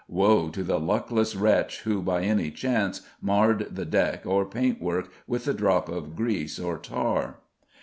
Woe to the luckless wretch who by any chance marred the deck or paintwork with a drop of grease or tar.